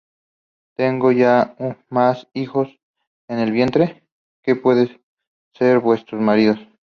¿tengo yo más hijos en el vientre, que puedan ser vuestros maridos?